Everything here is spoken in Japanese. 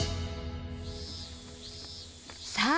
さあ